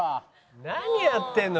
何やってんの？